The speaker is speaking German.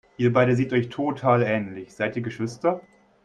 Ihr beide seht euch total ähnlich, seid ihr Geschwister?